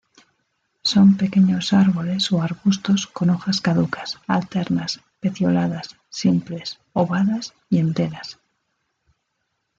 Son pequeños árboles o arbustos con hojas caducas, alternas, pecioladas, simples, ovadas y enteras.